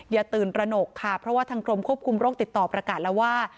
อย่าตื่นตระหนกค่ะเพราะว่าทางกรมควบคุมโรคติดต่อประกาศแล้วว่า